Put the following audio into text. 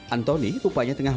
anthony rupanya tengah